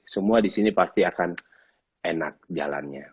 semua di sini pasti akan enak jalannya